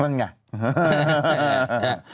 นั่นไง